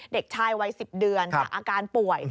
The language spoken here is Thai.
เด็กชายวัย๑๐เดือนจากอาการป่วย